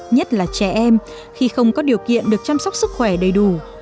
nhất là trẻ em khi không có điều kiện được chăm sóc sức khỏe đầy đủ